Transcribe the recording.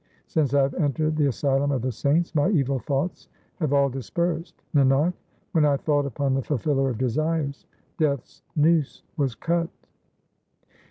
Since I have entered the asylum of the Saints, 1 my evil thoughts have all dispersed. Nanak, when I thought upon the Fulfiller of desires, Death's noose was cut.